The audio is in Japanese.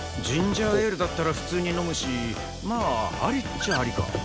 ジンジャーエールだったら普通に飲むしまあありっちゃありか。